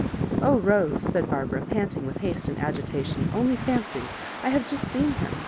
"Oh, Bose," said Barbara, panting with haste and agitation, *'only fancy; I have just seen him.